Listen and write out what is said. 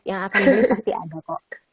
yang aku milih pasti ada kok